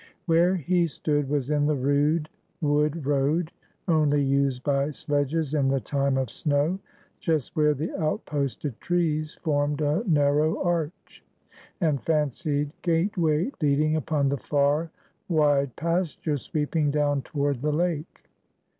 Where he stood was in the rude wood road, only used by sledges in the time of snow; just where the out posted trees formed a narrow arch, and fancied gateway leading upon the far, wide pastures sweeping down toward the lake.